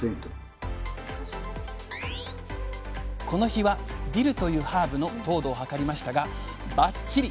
この日はディルというハーブの糖度を測りましたがバッチリ！